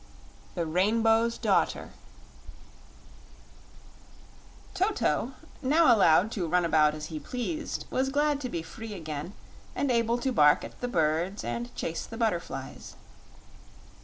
The Rainbow's Daughter Toto, now allowed to run about as he pleased, was glad to be free again and able to bark at the birds and chase the butterflies.